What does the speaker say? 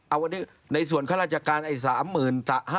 เอาวันนี้ในส่วนข้าราชการไอ้๓๐๐